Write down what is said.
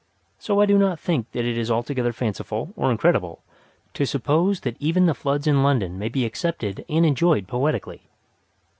So I do not think that it is altogether fanciful or incredible to suppose that even the floods in London may be accepted and enjoyed poetically.